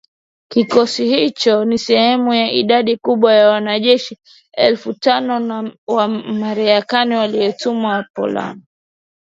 Kikosi hicho ni sehemu ya idadi kubwa ya wanajeshi elfu tano wa Marekani waliotumwa Poland